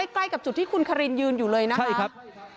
ใกล้กับจุดที่คุณคารินยืนอยู่เลยนะครับ